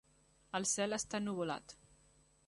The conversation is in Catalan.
El cel està ennuvolat.